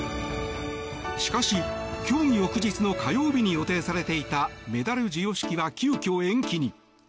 しかし、競技翌日の火曜日に予定されていたメダル授与式は急きょ延期に。